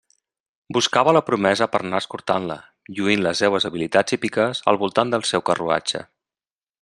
Buscava la promesa per a anar escortant-la, lluint les seues habilitats hípiques al voltant del seu carruatge.